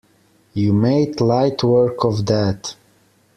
You made light work of that!